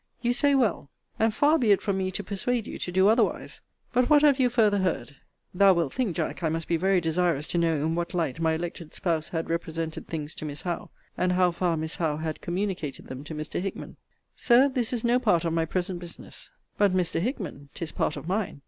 You say well. And far be it from me to persuade you to do otherwise. But what have you farther heard? (Thou wilt think, Jack, I must be very desirous to know in what light my elected spouse had represented things to Miss Howe; and how far Miss Howe had communicated them to Mr. Hickman.) Sir, this is no part of my present business. But, Mr. Hickman, 'tis part of mine.